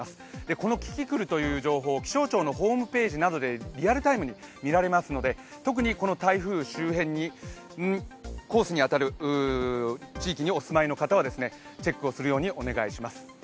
このキキクルという情報、気象庁のホームページなどでリアルタイムで見られますので、特に台風のコースに当たる地域にお住まいの方はチェックをするようにお願いします。